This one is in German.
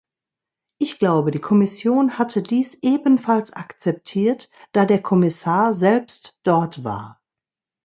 Ich glaube, die Kommission hatte dies ebenfalls akzeptiert, da der Kommissar selbst dort war.